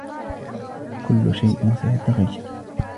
كل شيئ سيتغير.